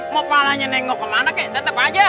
mau palanya nengok kemana kek tetep aja